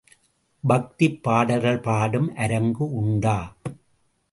பக்திப் பாடல்கள் பாடும் அரங்கு உண்டா?